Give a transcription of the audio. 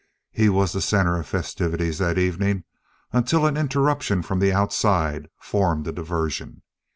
He was the center of festivities that evening until an interruption from the outside formed a diversion.